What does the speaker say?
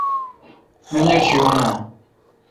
منجرشی یون آں؟